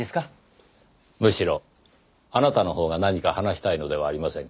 むしろあなたのほうが何か話したいのではありませんか？